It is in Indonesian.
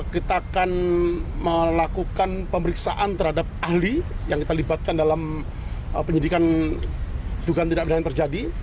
kita akan melakukan pemeriksaan terhadap ahli yang kita libatkan dalam penyidikan tugas tidak berlaku terjadi